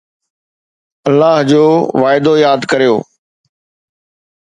الله جو وعدو ياد ڪريو